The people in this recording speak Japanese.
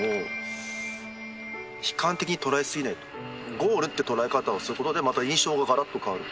ゴールって捉え方をすることでまた印象ががらっと変わると。